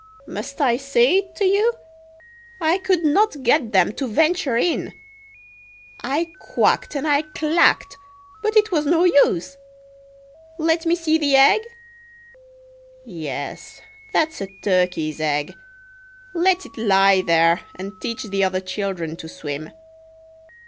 Must I say it to you, I could not get them to venture in. I quacked and I clacked, but it was no use. Let me see the egg. Yes, that's a turkey's egg. Let it lie there, and teach the other children to swim."